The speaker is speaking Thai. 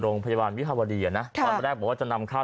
โรงพยาบาลวิภาวดีอ่ะนะตอนแรกบอกว่าจะนำเข้า